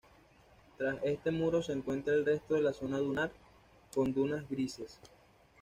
Tras este muro se encuentra el resto de la zona dunar con dunas grises.